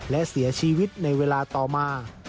และเสียชีวิตในเวลาต่อมา